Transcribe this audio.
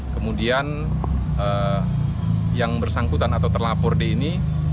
kemudian yang bersangkutan atau terlapor d ini